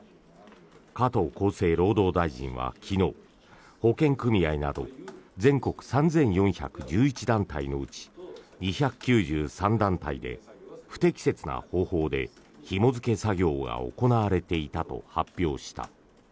加藤厚生労働大臣は昨日保険組合など全国３４１１団体のうち２９３団体で不適切な方法でひも付け作業が行われていたと発表した。